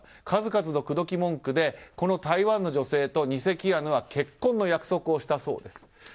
数々の口説き文句でこの台湾の女性と偽キアヌは結婚の約束をしたそうです。